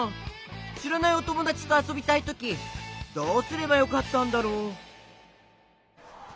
しらないおともだちとあそびたいときどうすればよかったんだろう？